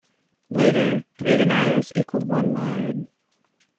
Later, three deniers equaled one liard.